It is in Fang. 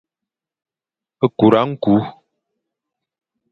Nkura nku.